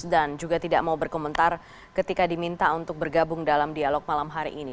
dan juga tidak mau berkomentar ketika diminta untuk bergabung dalam dialog malam hari ini